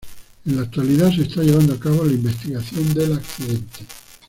En la actualidad se está llevando a cabo la investigación del accidente.